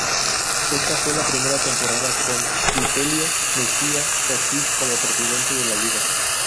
Esta fue la primera temporada con Vitelio Mejía Ortiz como presidente de la liga.